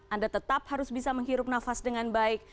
anda tetap harus bisa menghirup nafas dengan baik